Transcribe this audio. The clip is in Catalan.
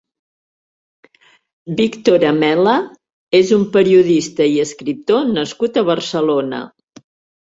Víctor Amela és un periodista i escriptor nascut a Barcelona.